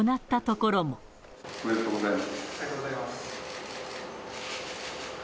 ありがとうございます。